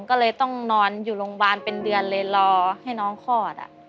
ก็เลยต้องนอนอยู่โรงพยาบาลเป็นเดือนเลยรอให้น้องคลอด